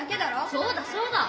そうだそうだ！